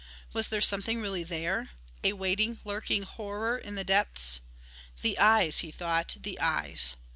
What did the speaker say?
Was there something really there?... A waiting lurking horror in the depths? "The eyes," he thought, "the eyes!..."